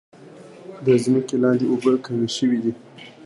د ځمکې لاندې اوبه کمې شوي دي.